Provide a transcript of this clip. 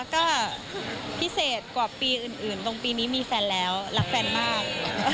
ก็พิเศษกว่าปีอื่นตรงปีนี้มีแฟนแล้วรักแฟนมาก